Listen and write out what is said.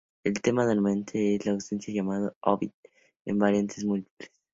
El tema dominante es la ausencia del amado o "habib" en variantes múltiples.